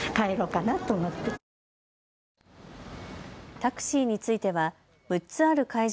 タクシーについては６つある会場